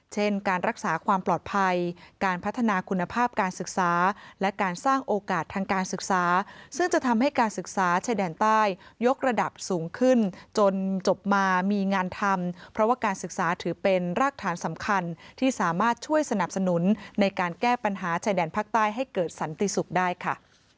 เช่นการรักษาความปลอดภัยการพัฒนาคุณภาพการศึกษาและการสร้างโอกาสทางการศึกษาซึ่งจะทำให้การศึกษาชายแดนใต้ยกระดับสูงขึ้นจนจบมามีงานทำเพราะว่าการศึกษาถือเป็นรากฐานสำคัญที่สามารถช่วยสนับสนุนในการแก้ปัญหาชายแดนภาคใต้ให้เกิดสันติสุขได้ค่ะ